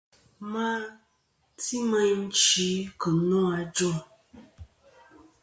À ma ti meyn chi kɨ̀ nô ajûŋ.